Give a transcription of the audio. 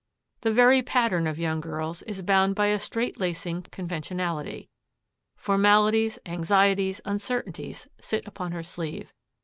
The very pattern of young girls is bound by a strait lacing conventionality. Formalities, anxieties, uncertainties, sit upon her sleeve.